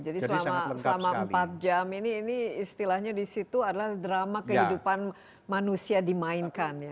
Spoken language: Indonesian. jadi selama empat jam ini istilahnya disitu adalah drama kehidupan manusia dimainkan